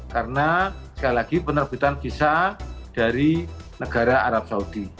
karena sekali lagi penerbitan visa dari negara arab saudi